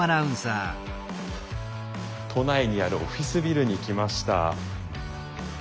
都内にあるオフィスビルに来ました。